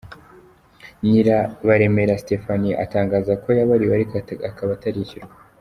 Nyirabaremera Stephanie atangaza ko yabariwe ariko akaba atarishyurwa.